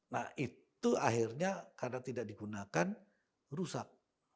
nah itu akhirnya karena tidak digunakan rusak